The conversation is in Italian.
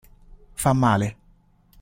Fa male.